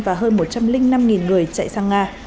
và hơn một trăm linh năm người chạy sang nga